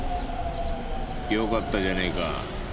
よかったじゃねえか。